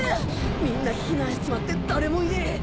みんな避難しちまって誰もいねえ！